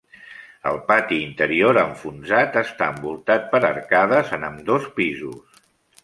El pati interior enfonsat està envoltat per arcades en ambdós pisos.